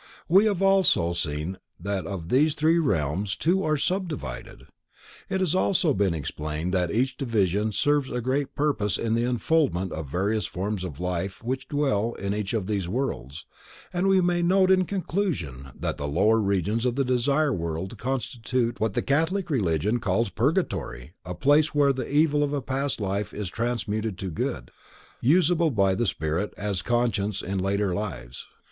We have also seen that of these three realms two are subdivided. It has also been explained that each division serves a great purpose in the unfoldment of various forms of life which dwell in each of these worlds, and we may note in conclusion, that the lower regions of the Desire World constitute what the Catholic religion calls Purgatory, a place where the evil of a past life is transmuted to good, usable by the spirit as conscience in later lives.